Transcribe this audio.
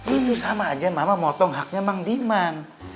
itu sama aja mama potong haknya mandiman